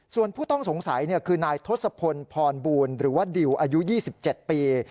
ส่วนผู้ต้องสงสัยคือนายทศพลพรบูลหรือว่าดิวอายุ๒๗ปี